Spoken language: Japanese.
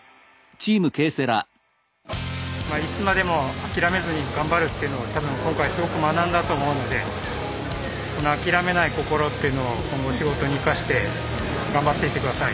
いつまでも諦めずに頑張るっていうのを多分今回すごく学んだと思うのでこの諦めない心っていうのを今後仕事に生かして頑張っていって下さい。